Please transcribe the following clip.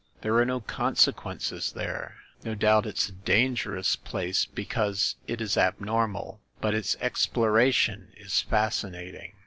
There are no consequences there! No doubt it's a dan gerous place, because it is abnormal; but its ex ploration is fascinating.